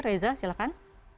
oke reza silahkan